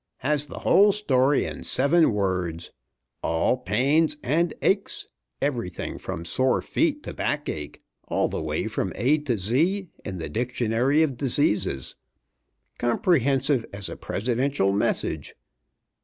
Has the whole story in seven words. 'All pains and aches!' Everything from sore feet to backache; all the way from A to Z in the dictionary of diseases. Comprehensive as a presidential message.